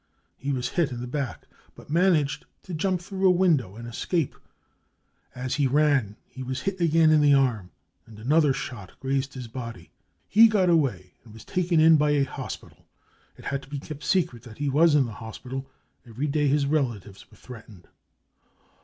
He was hit in the back, but managed to jump through a window and escape ; as he ran he was hit again in the arm, and another shot grazed his body. He got away, and was taken in by a hospital. It had to be kept secret that he was in the hospital ; every day his relatives were threatened.